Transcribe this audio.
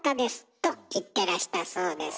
と言ってらしたそうです。